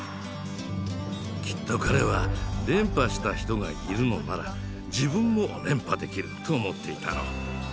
きっと彼は「連覇した人がいるのなら自分も連覇できる」と思っていたろう。